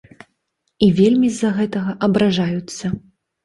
І вельмі з-за гэтага абражаюцца.